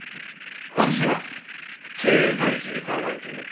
私は経営第一に考えている。